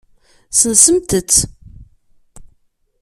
Sensemt-tt.